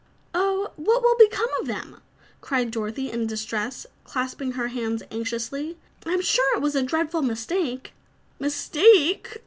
"Oh, what will become of them?" cried Dorothy in distress, clasping her hands anxiously. "I'm sure it was a dreadful mistake." "Mistake!"